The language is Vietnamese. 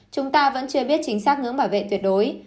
chúng ta vẫn chưa biết chính xác ngưỡng bảo vệ tuyệt đối